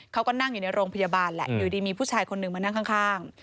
เขาก็นั่งอยู่ในโรงพยาบาลแหละอยู่ดีมีผู้ชายคนหนึ่งมานั่งข้าง